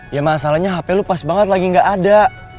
ya masalahnya hp lo pas banget lagi gak ada